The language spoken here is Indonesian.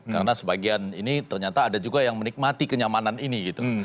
karena sebagian ini ternyata ada juga yang menikmati kenyamanan ini